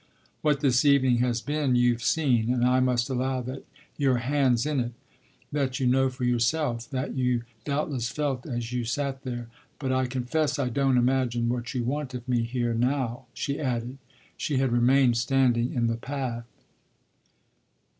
What this evening has been you've seen, and I must allow that your hand's in it. That you know for yourself that you doubtless felt as you sat there. But I confess I don't imagine what you want of me here now," she added. She had remained standing in the path.